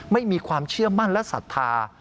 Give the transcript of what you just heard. ไม่มีความเชื่อมั่นและศรัทธา